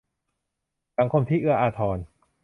สังคมที่เอื้ออาทร